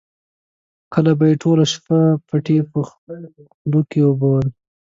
کله به یې ټوله شپه پټي په خلکو اوبول.